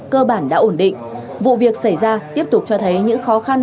cơ bản đã ổn định vụ việc xảy ra tiếp tục cho thấy những khó khăn